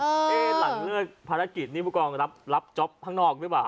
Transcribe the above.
หลังเลิกภารกิจนี่ผู้กองรับจ๊อปข้างนอกหรือเปล่า